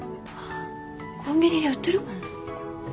コンビニに売ってるかな？